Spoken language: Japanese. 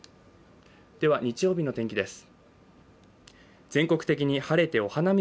日曜日の天気です。